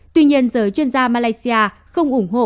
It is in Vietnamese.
tuy nhiên giới chuyên gia malaysia không ủng hộ